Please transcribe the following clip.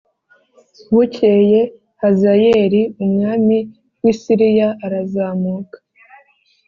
Bukeye Hazayeli umwami w i Siriya arazamuka